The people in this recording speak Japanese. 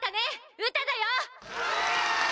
ウタだよ。